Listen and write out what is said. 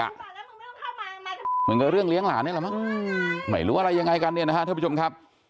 เหมือนกับเรื่องเลี้ยงหลานนี่แหละมั้งไม่รู้อะไรยังไงกันเนี่ยนะฮะท่านผู้ชมครับ